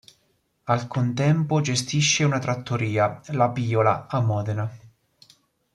Al contempo gestisce una trattoria, La Piola, a Modena.